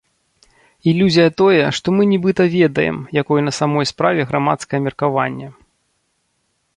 Ілюзія тое, што мы нібыта ведаем, якое на самой справе грамадскае меркаванне.